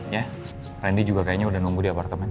ya randy juga kayaknya udah nunggu di apartemen